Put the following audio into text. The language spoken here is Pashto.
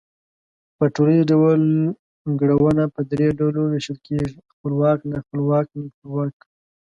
په ټوليز ډول گړونه په درې ډلو وېشل کېږي، خپلواک، ناخپلواک، نیم خپلواک